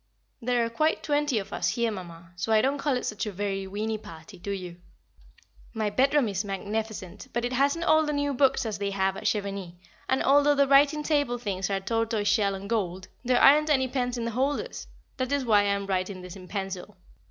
There are quite twenty of us here, Mamma, so I don't call it such a very weeny party, do you? My bedroom is magnificent, but it hasn't all the new books as they have at Chevenix, and although the writing table things are tortoise shell and gold, there aren't any pens in the holders, that is why I am writing this in pencil.